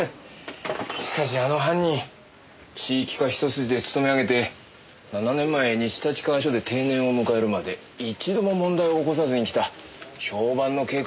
しかしあの犯人地域課一筋で勤め上げて７年前西立川署で定年を迎えるまで一度も問題を起こさずにきた評判の警官だったらしいよ。